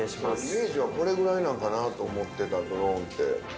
イメージはこれぐらいなんかなと思ってたドローンって。